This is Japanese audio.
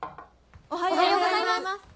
・おはようございます。